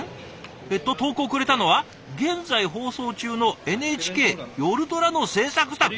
えっと投稿をくれたのは現在放送中のＮＨＫ「よるドラ」の制作スタッフ